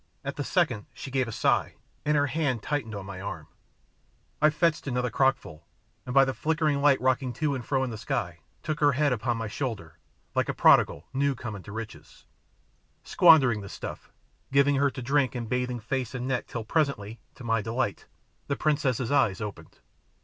At the second she gave a sigh, and her hand tightened on my arm. I fetched another crockful, and by the flickering light rocking to and fro in the sky, took her head upon my shoulder, like a prodigal new come into riches, squandering the stuff, giving her to drink and bathing face and neck till presently, to my delight, the princess's eyes opened.